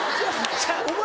お前